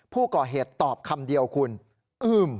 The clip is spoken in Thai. ผู้ก่อเหตุตอบคำเดียวคุณอื้ม